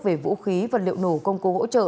về vũ khí vật liệu nổ công cụ hỗ trợ